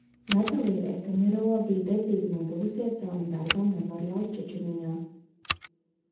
Natalia Estemirova bija dedzīgi nodevusies savam darbam Memorial Čečenijā.